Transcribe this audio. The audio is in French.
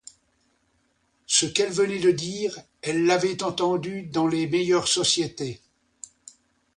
Ce qu'elle venait de dire, elle l'avait entendu dans les meilleures sociétés.